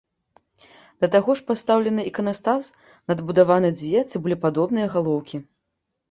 Да таго ж пастаўлены іканастас, надбудаваны дзве цыбулепадобныя галоўкі.